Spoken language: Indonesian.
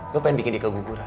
lo pengen bikin dikeguguran